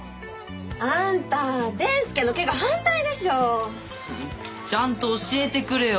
あんた「でんすけ」の「け」が反対でしょちゃんと教えてくれよ